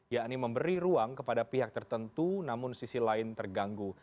yakni memberi ruang kepada pihak tertentu namun sisi lain terganggu